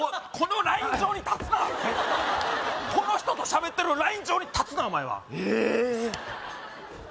このライン上に立つなこの人と喋ってるライン上に立つなお前はええええ